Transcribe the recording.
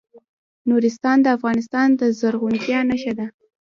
نورستان د افغانستان د زرغونتیا نښه ده.